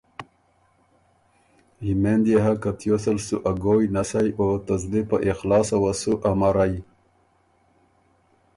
یمېند يې هۀ که تیوس ال سُو ا ګویٛ نسئ او ته زلی په اخلاصه وه سُو امرئ۔